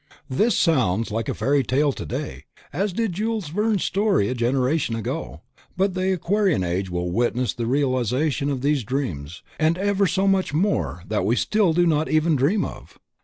This sounds like a fairy tale today, as did Jules Verne's stories a generation ago, but the Aquarian Age will witness the realization of these dreams, and ever so much more that we still do not even dream of.